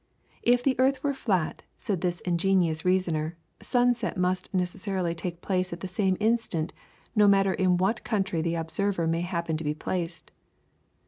If the earth were flat, said this ingenious reasoner, sunset must necessarily take place at the same instant, no matter in what country the observer may happen to be placed.